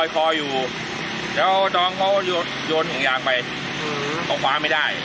สุดยอดเย็นเพื่อนบุหรับชาย